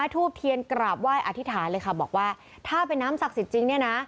ทูบเทียนกราบไหว้อธิษฐานเลยค่ะบอกว่าถ้าเป็นน้ำศักดิ์สิทธิ์จริงเนี่ยนะ